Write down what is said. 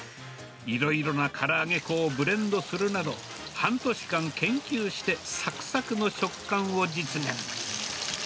いろいろなから揚げ粉をブレンドするなど、半年間研究してさくさくの食感を実現。